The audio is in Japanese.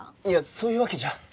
いやそういうわけじゃ。